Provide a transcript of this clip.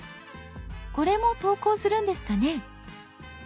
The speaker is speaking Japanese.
これも投稿するんですかね。